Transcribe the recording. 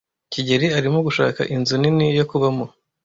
kigeli arimo gushaka inzu nini yo kubamo.